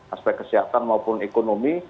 aspek kesehatan maupun ekonomi